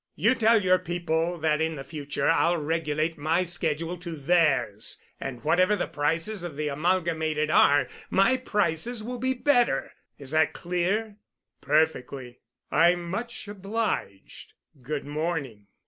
You tell your people that in future I'll regulate my schedule to theirs, and whatever the prices of the Amalgamated are, my prices will be better. Is that clear?" "Perfectly. I'm much obliged. Good morning."